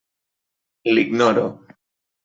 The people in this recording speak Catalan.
L'ignoro.